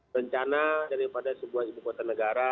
rencana daripada sebuah ibu kota negara